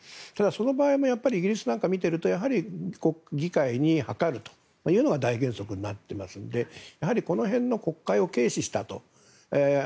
その場合もやっぱりイギリスなんかを見ていると議会に諮るというのが大原則になっていますのでこの辺の国会を軽視したと。